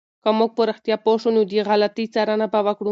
که موږ په رښتیا پوه شو، نو د غلطي څارنه به وکړو.